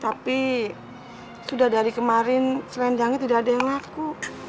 tapi sudah dari kemarin selendangnya tidak ada yang laku